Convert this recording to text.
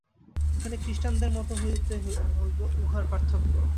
এখানে খ্রীষ্টানদের মত হইতে উহার পার্থক্য।